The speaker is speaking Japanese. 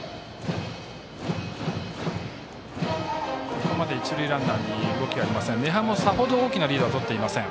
ここまで一塁ランナーに動きはありません。